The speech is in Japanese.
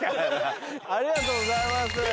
ありがとうございます。